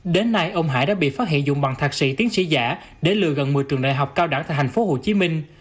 đến nay ông hải đã bị phát hiện dùng bằng thạc sĩ tiến sĩ giả để lừa gần một mươi trường đại học cao đẳng tại thành phố hồ chí minh